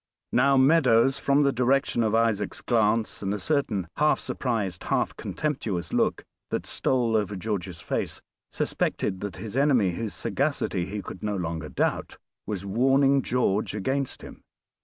Now Meadows, from the direction of Isaac's glance, and a certain half surprised half contemptuous look that stole over George's face, suspected that his enemy, whose sagacity he could no longer doubt, was warning George against him.